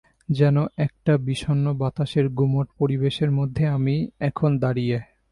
যেন একটা বিষন্ন বাতাসের গুমোট পরিবেশের মধ্যে আমি এখন দাড়িয়ে।